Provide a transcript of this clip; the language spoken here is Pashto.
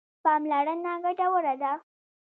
پاملرنه ګټوره ده.